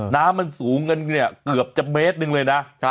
น้ำมันสูงกันเนี่ยเกือบจะเมตรหนึ่งเลยนะ